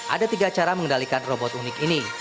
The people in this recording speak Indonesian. ada tiga cara mengendalikan robot unik ini